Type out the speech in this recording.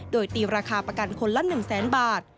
โดยตีราคาประกันคนละ๑แสนบาท